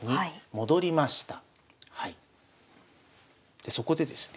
でそこでですね